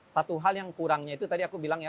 satu hal yang kurangnya itu tadi aku bilang ya